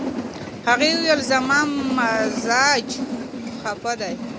هغې وویل، "زما مزاج خپه دی."